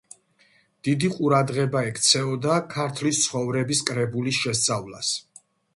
დიდი ყურადღება ექცეოდა „ქართლის ცხოვრების“ კრებულის შესწავლას.